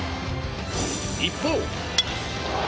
一方。